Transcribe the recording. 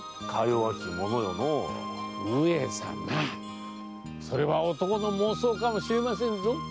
それは男の妄想かもしれませぬぞ。